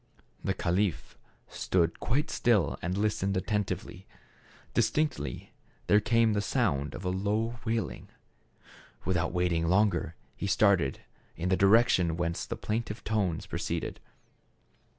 The caliph stood quite still and listened atten tively. Distinctly there came the sound of a low wailing. Without waiting longer he started in the direction whence the plaintive tones pro ceeded.